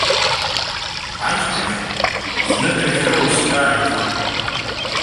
Ашьҭахь, зныкыршәа ус ҿааиҭит…